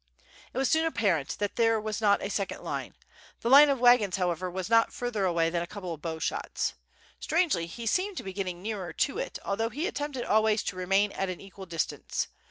It was soon apparent that there was not a second line, the line of wagons, however, was not further away than a couple of bow shots. Strangely he seemed to be getting nearer to it, although he attempted always to remain at an equal distance.